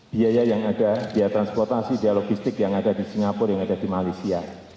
biaya yang ada biaya transportasi biaya logistik yang ada di singapura yang ada di malaysia